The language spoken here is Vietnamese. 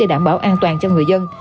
để đảm bảo an toàn cho người dân